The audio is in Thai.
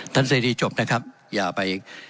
ท่านเศรษฐีจบนะครับอย่าไปอีก